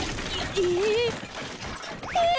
えっ？